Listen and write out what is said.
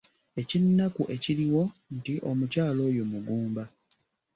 Eky’ennaku ekiriwo nti omukyala oyo mugumba.